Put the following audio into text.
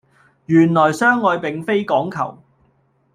原來相愛並非講求